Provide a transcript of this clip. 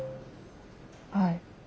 はい。